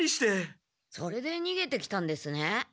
それでにげてきたんですね。